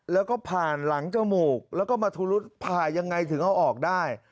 แล้วก็ผ่านหลังจมูกแล้วก็มาทุรุษผ่ายังไงถึงเอาออกได้